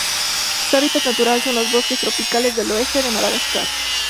Su habitat natural son los bosques tropicales del oeste de Madagascar.